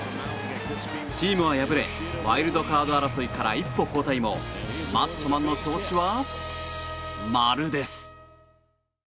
チームは敗れワイルドカード争いから一歩後退もマッチョマンの調子は、丸です！